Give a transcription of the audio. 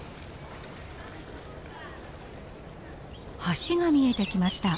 橋が見えてきました。